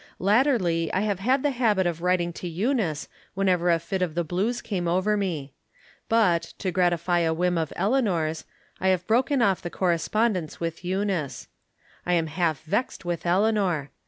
. Latterly I bave bad the habit of writing to Eunice whenever a fit of the blues came over me ; but, to gratify a whim of Eleanor's, I have broken off the corres pondence with Eunice. I am half vesed with Eleanor.